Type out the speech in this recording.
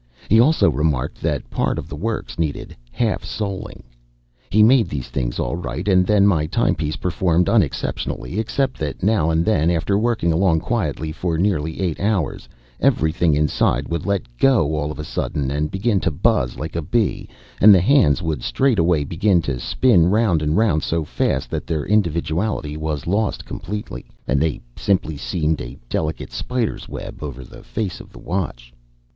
He also remarked that part of the works needed half soling. He made these things all right, and then my timepiece performed unexceptionably, save that now and then, after working along quietly for nearly eight hours, everything inside would let go all of a sudden and begin to buzz like a bee, and the hands would straightway begin to spin round and round so fast that their individuality was lost completely, and they simply seemed a delicate spider's web over the face of the watch.